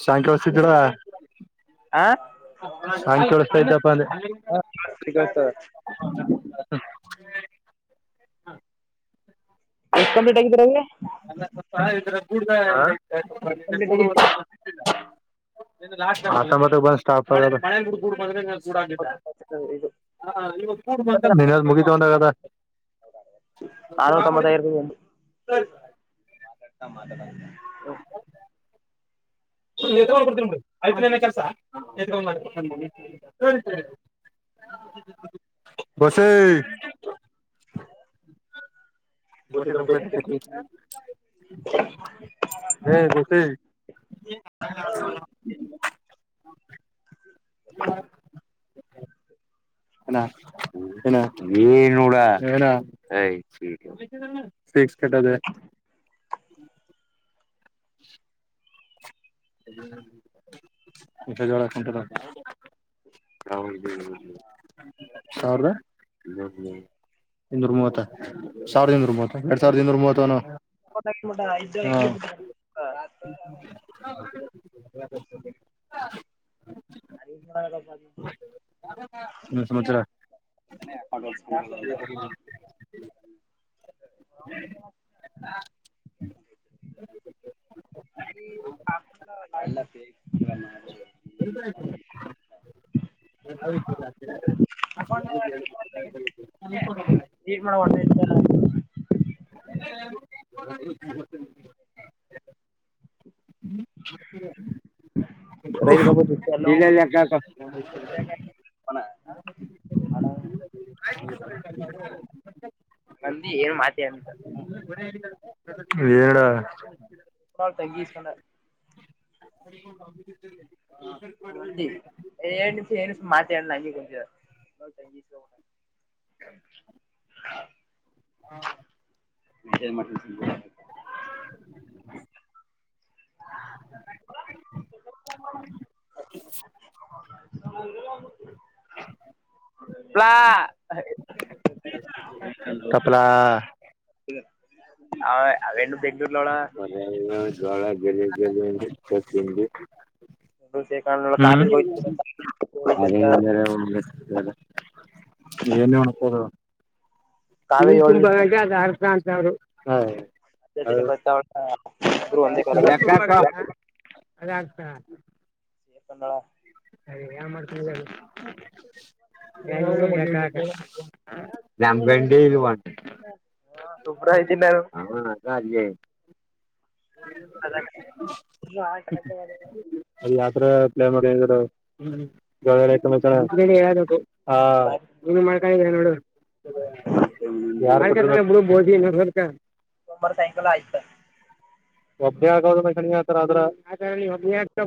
[inaudible] ನತೆ ಸಾಯಂಕಾಲಸ್ಿದ್ದೀರ ಹಾ ಹಂ ಕೇಳಸ್ತಾ ಇದ್ದಪ್ಪ ಅಂದೆ [unintelligible] ಹ್ಮ [unintelligible] ಎಷ್ಟ್ ಕಂಪ್ಲೀಟ್ ಆಗಿದ್ದೀರ ಅವಿ ಅಲ್ಲ ಸ್ವಪ ಗ ಎಷ್ಟ್ ಕಂಪ್ಲೀಟ್ ಸಿ ಆಗಿದ್ದೀರ [unintelligible] ಮತ್ತೆ ಮತ್ತೆ ಬಾ [unintelligible] ಆಫರ್ ಅಳು ಇದು [unintelligible] ಮುಗಿಧ್ಗೊಂಡ [unintelligible] ಅ [unintelligible] ಮ್ಮದ ಬ [unintelligible] ಹ್ ತಗೊಂಡ್ ಕೊಡ್ತೀನಿಡಿ ಆಯ್ತುನ ಕೆಲ್ಸ [unintelligible] ಬಸ್ಸೇ [unintelligible] ಗಸ ತ ಕತ ಹ ಗಸಿ [unintelligible] ಹ್ಮ [unintelligible] ಏನ ಏನ ಏನಿವಳ ಏಯ್ [unintelligible] ಕೆಟ್ಟ [inaudible] ಇ ಜಳ ಕುಂಟ ಹೌದು [unintelligible] ಸಾವರದ ಇನ್ನೂರು ಮೂವತ್ತ ಸಾವಿರದ ಇನ್ನೂರು ಮೂವತ್ತ ಎರಡ್ ಸಾವಿರದ ಇನ್ನೂರು ಮೂವತ್ತನು ಹ್ಮ್ [unintelligible] ಹಾ [unintelligible] [unintelligible] ಏನ ಸಮಚರಾ [inaudible] ಆಕ [inaudible] [inaudible] ರೈತ [unintelligible] [inaudible] ನಂದಿ ಏನ್ ಮಾತ [inaudible] ಏಳ ಹ ತಗೀಸಣ [inaudible] ಎಡ್ ನಿಮಷ ಏನ್ ನಿಮಿಷ ಮಾತ [unintelligible] [unintelligible] [inaudible] [inaudible] [inaudible] [inaudible] ಪ್ಲಾ ತಪ್ಪಲಾ ಹ ಅವೆಣ ಬೆ ಮನ ಜೂಳ [unintelligible] ಶ್ರೀಕಾಂತ್ ಕಾಲೇಜ್ ಹ್ಮ ಹೋಯ್ತಿದ್ರಂತ ಅದೇ ಹೋಯ್ತಂತ [unintelligible] ನಿನ್ನನು ತಾವೇ ಹೇಳಿಲ್ಲ [unintelligible] ತರು ಹೌ ಇವತ್ತು, ಏನು, ಆದರು, ಗೊತ್ತು, ಹಾಗಿಬೀಟುರೇ, ಇಬ್ಬರು, ಒಂದೇ, ಕಾಲೇಜ್ಯಲಿ. ಸಿಕ್ಕಿಲೋಕುಬೇಕು.. [unintelligible] ಹಾ... [inaudible] ದಳ... [inaudible] ಹೇ, ಏನ್ ಮಾಡ್ತಿದ್ದೀಯಾ ಹೇಳು? [inaudible] ಹ್ಮ್ ನಮ್ಮ, ಗಂಡುಇಲ್ವಾ. - ಶುಭ್ರ ಇದ್ದೀನಿ ನಾನು [unintelligible] [inaudible] ಅ ಯತ್ರ ಪ್ಲಾನ್ ಮಾಡಿದ್ರ ಹ್ಮ್ [unintelligible] ಒಬ್ಬನೇ, ಹಗಲ, ಆತರ, ಕಣ್ಣಿ, ಅದರೆ, ಮತ್ಹ್ಯಾಡು, ಹೇ, ಒಬ್ಬನೇ ಅಕುತಿಯ. ಸೋಮವಾರ ಸಾಯಂಕಾಲ ಆಯ್ತ [unintelligible]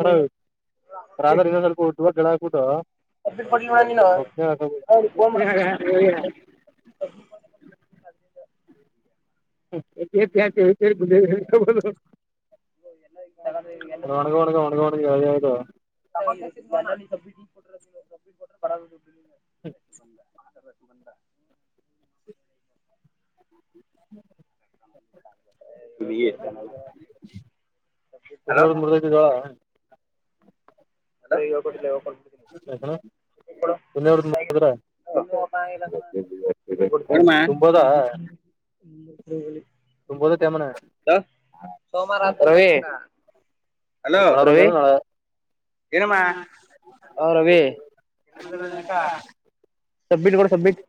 ಅವರಾದರೆ ಇನ್ನೊಂದು. [unintelligible] ಊಟುಧಮೇಲೈ, ಕಾರ, ಅಕುಬಿಟ್ಟು. [inaudible] ಸಬ್ಮಿಟ್ ಮಾಡಿಲ್ವಾ, ನೀನು ಹೇ ನೀನು, ಫೋನ್ ಮಾಡ, ನೀನು. ಸುಬ್ಮೀಟ್, ಮಾಡಿಲ್ವಾಂತೆ... [unintelligible] ಹ್ಮ್ಮ್, ಕಪ್, ಗಿಪು, ಯಾಕೆ, ಉಳುಕೊಳೋಧು. [unintelligible] [unintelligible] [inaudible] ಒಣಗ ಎಳೆಯೋದು ಪ್ರತಿ, ಸರಿ, ಬರೊಗು, ನೀನು. [inaudible] [unintelligible] [inaudible] ಬಂದ... [unintelligible] ಹುಡುಗಿ, ಹಲೋ. ತುನಿಯವ್ರದ್ [inaudible] ಮುರ್ದೈತಿ ಜೋಳ ತುನಿಯವ್ರದ್ ಮುರ್ದ್ರ [unintelligible] ತುಂಬೋದ ತುಂಬೋದ ತ್ಯಾಮನ [inaudible] ಹಲೋ ಇವತ್ತು ರವಿ ಬರಲ್ವೇನೋ ನಾಳೆ. ಏನಮ್ಮ ಆ ಏನಮ್ಮ ರವಿ ಊರಲ್ಲಿ ಯಾಕ. [unintelligible] ಸಬ್ಮಿಟ್ ಮಾಡು, ಸಬ್ಮಿಟ್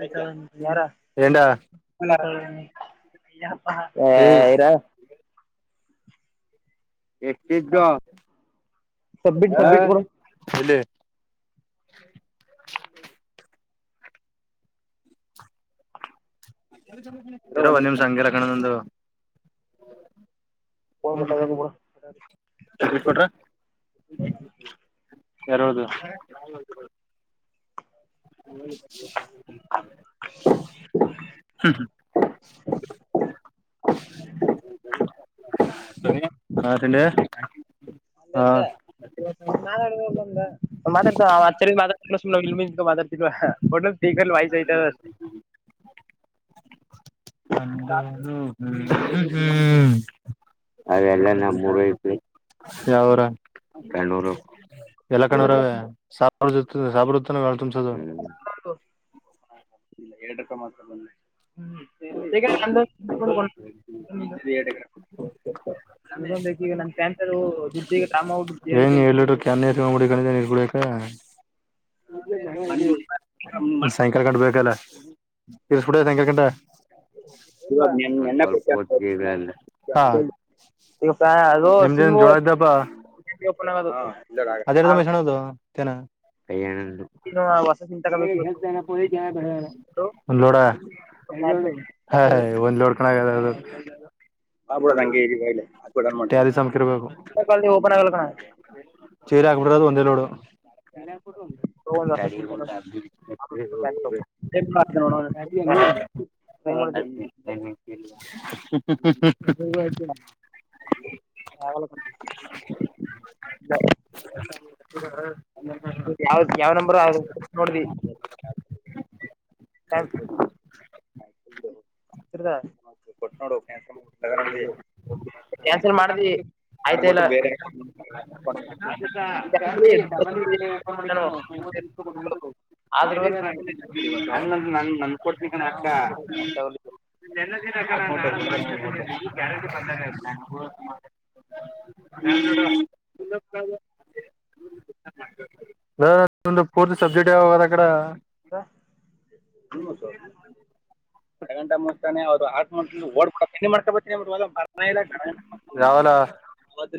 ಅಯ್ತಲ್ಲ, ಯಾರ. ಏಂಡ ಹಲೋ. [unintelligible] [unintelligible] [inaudible] ಹೇ, ಏ ಇರಾ. [inaudible] ಎಷ್ಟಿದ್ದು, ಸಬ್ಮಿಟ್ ಲೋ ಸಬ್ಮಿಟ್ ಬಿಡು ಹುಲ್ಲಿ. [inaudible] [unintelligible] [inaudible] ಸ್ವಿಚ್, ಅಮುಕುತೀನಿ, ಇರೋ, ಒಂದು, ನಿಮಿಷ, ಅಂಗಳಕನ ನಂದು. [unintelligible] ಹ.. [inaudible] ಫೋನ್ ಕಟ್ ಕಟ್ಟಾಗಬೇಕು ಆಗಿರಬೇಕು, ಬಿಡು ಹ್ಮಷ್ಟ ಕೊಟ್ರ ಯಾರು, ಹೇಳಿದು, ನಾನೇ, ಹೇಳಿದು. [unintelligible] [unintelligible] [inaudible] ಹ, ಅಣ್ಣಾ, ತಿಂಡಿ. [unintelligible] [unintelligible] [inaudible] ಅಲ್ಲ ಹಾ ಇದ್ದ ಮಾತಾಡ ಬಂದ ಮಾತಾಡ್ತ್ತ ಮಾತಾ ಸಲ್ ಮಾದಾರ್ಡ್ತಿ ಒ [unintelligible] ಅ ಹ್ಮ ಹ್ಮ ಅವೆಲ್ಲ ನಮ್ಮೂರು ಐತವಿ ಅವ್ರ ಕಣ್ಣೂರು, ಎಲ್ಲ, ಕನ್ನೂರ್, ಅವರೇ, ಸಾತನೂರು, ಸಾಬರು. [inaudible] ತಾ, ಹೇಳಾ, ತುಂಬಹುಶೋಧು? [inaudible] ಎರಡು ರೂಪಾಯಿ ಮಾತ್ರ ಬಂದು. [unintelligible] ಹ್ಮ್, ಈಗ, ಆಲೈ, ತುಂಬುಕೊಂಡು, ನಂದೂ, ಎರಡುಎಕರೆ, ನಂದೇ, ಪರಿಸ್ಥಿತಿ, ಪ್ಯಾಂಟ್, ಆರಾಧು, ಹೋಗಿದೆ, ಕಾಲ್, ಮಾಡಿ, ಜೆಡಿ, ಅಂತಿಸಿಕೊಳುಬೇಕು. [inaudible] ಹ್ಮ ಮೊನ್ನೆ ಹ ಸಾಯಂಕಾಲ ಗಂಡ ಬೇಕಲ್ಲ ತಿರ್ಸ್ಕೂಡ ಸಾಯಂಕಾಲ ಗಂಡ ಇ ಕೊ ಇದೆ ಅಲ್ಲಿ. ಹಾ ಅ ನಿಮ್ದೇನ್ ಸಿು ಜೋಳ ಇದ್ದಪ್ಪ ಅದೆರದ [unintelligible] ಮೈಸಣದು ತೇನ. ಇನ್ನು ಹೊಸ ಚಿಂತ ೋ [unintelligible] ಚೆನ್ನದ ಆಗ್ಬಿಡ ಅದು [unintelligible] ಬಾಬುಡ ನಂಗೆ [unintelligible] ್ಯಾದಿ ಸಮಕ ಇರ್ಬೇಕು ಓಪನ್ ಆಗಲ್ಲ ಕಣ ಚೀರ ಹಾಬಿಡದು ಒ [unintelligible] ಎಂದಲೋಡು ಬೆ ಬೆ [unintelligible] ಹ [unintelligible] ಆಗಲ್ಲಾ ಕಣೋ [unintelligible] [inaudible] ಯಾವ ಯಾವ್ ನಂಬರ್ ನೋಡ್ದಿ ಹ ದ ಕೊಟ್ಟ ನೋಡ ಕಾನ್ಸ್ ಕ್ಯಾನ್ಸಲ್ ಮಾಡ್ದಿ ಆಯ್ತಾ ಇಲ್ಲ ಬೇರೆ ಅದಕ ಮಾಡ್ತಾರಲ್ಲ, ತಕೊಂಡ್ರೆ. ಫೋನ್ ಮಾಡಿದ್ರು ಆದ್ರೂ ಹಾಗ್ ನನ್ ಕೊಡ್ತಣ ಅಕ್ಕ ಬ ಗ್ಯಾರಂಟಿ ಬಂದಾಗ ಆ ಹ ಬ [inaudible] ಒಂದು ಪೂರ್ತಿ ಸಬ್ಜೆಕ್ಟ್ ಯಾವದ ಅ ಕಡೆ ಹ ಅರ ಗಂಟ ಮುಿಸತಾನೆ ಅವ್ರು ಹಾಕ್ ಓಡ್ಿ ಮಾಡ ಬ ಯಾವಲ್ಲ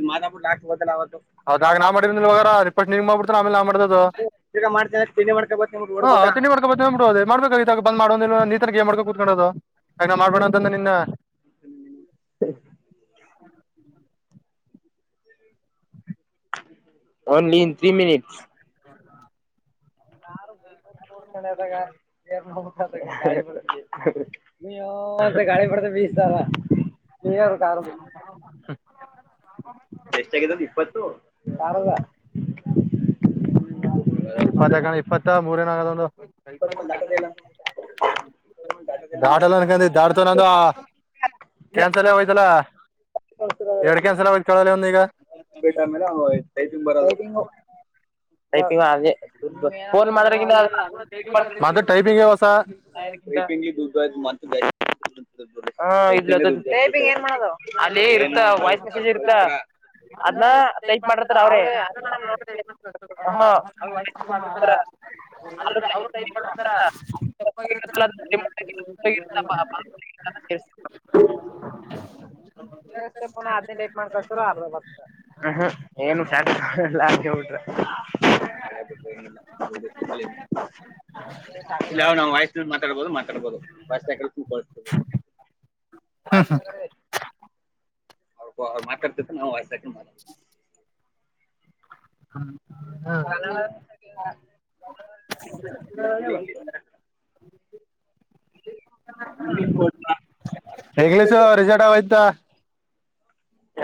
ಮ ಮಾ [unintelligible] ಲಾಬದಲಾವ ಹೌದಾಗ ನಾ ಮಾಡಿದ ಇವಾಗಾರ ರಿಪ ನಿಂಗ ಮಾಡ್ಬಿಡ್ ಆಮೇಲೆ ನಾ ಮಾಡ್ದದ ತಿರ್ಗಾ ಮಾಡ್ತೇನೆ ತಿಂಡಿ ಮಾಡ್ಕೊಬತ್ತೀನಿ ಬಿಡು ಹಾ ಓಡ್ಬಿಟ್ಟ ತಿಂಡಿಿವರ್ಗ ಬದ ಬಿಡೋದು ಮಾಡಬೇಕ ಈಾಗ ಬಂದ್ೋ ನೀತನಗೆ ಮಾಡ್ಕೊಂಡ ಕುೂಕೊಂಡುದು ಆ ನ ಮಾಡ್ಬೇಣ ಮಾಡ್ಬಿಡಪ್ಪ. ಅಂತಂದ್ರೆ ನಿನ್ನ ಓನ್ಲಿ ಇನ್ ತ್ರೀ ಮಿನಿಟ್ಸ್ ಹ ಗಾು ಬ ಬಹ ಬಡ್ ಣ್ದಾಗ ಏ ಅಯ್ಯೋ ಹ ಗಾಡಿ ಪಡತ ಬೀಿಸ ತಾರಾರ ಕಾರ [unintelligible] ಎಷ್ಟ ಆಗಿದ್ದ್ದ ಇಪ್ಪತ್ತು ಯಾವಾಗ [unintelligible] ಇಪ್ಪತ್ತಕ ಇಪ್ಪತ್ತ ಮೂರೇನ ಆಗದು ಅದು ಕಂಪ್ಲೀಟ್ [unintelligible] ದಾಟಲ್ಲ ಅನ್ಕ ದಾಡ್ತ ನಂದು ಕ್ಯಾನ್ಸಲ್ ಆಗ್ ಹೋಯ್ತಲ್ಲ ಎರಡ್ ಕೆನ್ಸರ ಆ ಕೇಳಲ್ಲ ಒಂದ ಈಗ ಟ ಮೇಲೆ [unintelligible] ಟೈಪಿಂಗ್ ಬರ [unintelligible] ಅದು ಟೈಪಿಂಗ್ ಹೊಸ ಆ ದೂ ಮ ಬ [unintelligible] ಟ ಅಲ್ಲಿ ಇರುತ್ತ ವಾಯ್ಸ್ ಮೆಸೇಜ್ ಇರುತ್ತ ಅದ್ನ ಟೈಪ್ ಮಾಡ್ತ ಮಾಡಿರ್ತಾರ ಅವ್ರೇ ಅ ನೋ ಅ ಅವರು ಟೈಪ್ ಮಾಡತಾರ ತಪ್ಪಾಗಿರುತ್ತ [unintelligible] ಪುನ ಹದ್ನೆಂಟ ಮಾಡ್ಕ ಅರ್ಏ್ಯ ಮಾಾಬೋದು [unintelligible] ಕಬೋದು ಬಸ್ತಕ ಕ ಕತ ಬ [unintelligible] ವಾಯ್ಸ್ [unintelligible] ಅವ್ರ್ ಮಾತಾಡ್ತಿದ್ರೆ ನಾವ್ ವಾಯ್ಸ್ ಹಾಕ್ [unintelligible] [inaudible] ಹ್ಮ್ ಕನ್ನಡ [unintelligible] ಇಂಗ್ಲಿಷ್ ಇಂಗ್ಲೀಷ್ ರಿಸಲ್ಟ್ ಆಯ್ತ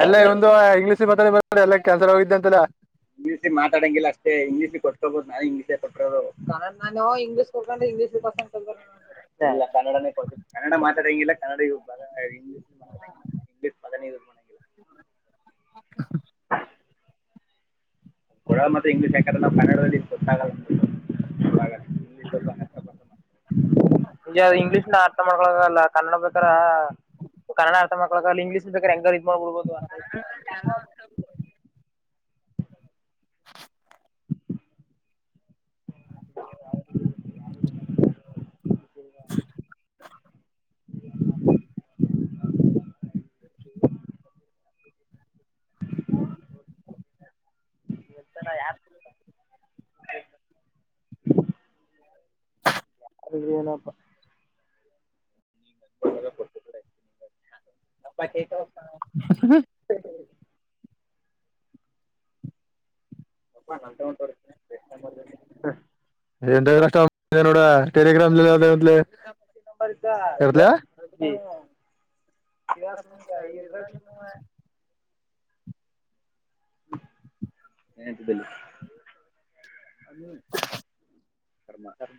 ಎಲ್ಲ ಒಂದು ಇಂಗ್ಲೀಷ್ ತ [unintelligible] ಎಲ್ಲ ಕ್ಯಾನ್ಸಲ್ ಆಗೋಗಿತ್ ಅಂತಲ್ಲ. ಇಂಗ್ಲಿಷಲ್ ಮಾತಾಡಂಗಿಲ್ಲ ಅಷ್ಟೇ ಇಂಗ್ಲೀಷ್ ಕೊಟ್ಕಬೋ ನಾನ್ ಇಂಗ್ಲೀಷೆ [unintelligible] [unintelligible] ನಾನು ಇಂಗ್ಲೀಷ್ ಕೊಕ ಇಂಗ್ಲಿಶ ಪಸಂ ಇ ಇಲ್ಲ ಕನ್ನಡನೇ ಕೊಡ್ ಕನ್ನಡ ಮಾತಾಡೋಂಗಿಲ್ಲ ಕನ್ನಡ ಇಂಗ್ಲಿಷ್ ಮಾತಾಡಂಗಿಲ್ಲ ಇಂಗ್ಲೀಷ್ ಪದಾನೆ ಯೂಸ್ ಮಾಡಂಗಿಲ್ಲ. ಮತ್ತೆ ಇಂಗ್ಲೀಷ್ ಯಾಕ್ರ ನಾವ್ ಕನ್ನಡದಲ್ಲಿ ಗೊತ್ತ ಇಂಗ್ಲೀಷ್ ನ ಅರ್ಥ ಮಾಡ್ಕೊಳಲ್ಲ ಕನ್ನಡ ಬೇಕಾರ ಕನ್ನಡ ಅರ್ಥ ಮಕ್ಳಕ್ಕಲ್ಲಿ ಇಂಗ್ಲೀಷ್ ಬೇಕ್ರೆ ಎಂಗರ್ ಇದ ಮಾಡ್ಬಿಡ್ಬೋದು [inaudible] ರ ಯಾ ಅಲರಿ ಏನಪ್ಪ ಕೊಟ್ಟ. ಅ ಕ ಎಂದಷ್ಟನೋಡ ಟೆಲಿಗ್ರಾಮ ಜಿಲ್ಲಾದ ಂಬರ್್ದ ಅದುಸ ಇರ್ಬೇಕು ನಾನ್ ಏನ ತಿದ್ದಲ್ಲ ಅದು ಕರ್ಮ ಕರ್ಮ